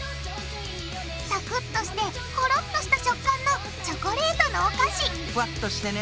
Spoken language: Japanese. サクッとしてホロッとした食感のチョコレートのお菓子ふわっとしてね。